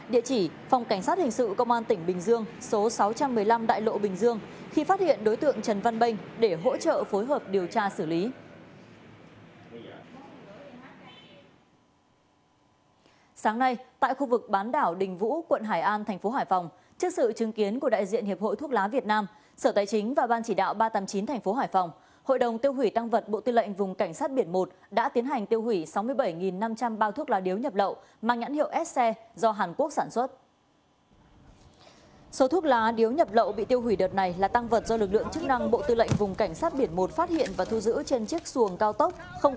địa chỉ phòng cảnh sát hình sự công an tỉnh bình dương số sáu trăm một mươi năm đại lộ bình dương